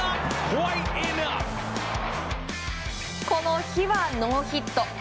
この日はノーヒット。